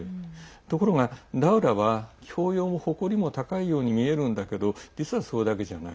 ところが、ラウラは教養も誇りも高いように見えるんだけど実は、それだけじゃない。